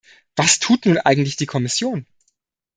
Was tut nun eigentlich die Kommission?